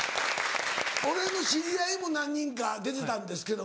俺の知り合いも何人か出てたんですけども。